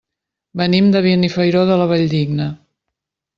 Venim de Benifairó de la Valldigna.